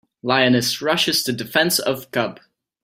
Lioness Rushes to Defense of Cub.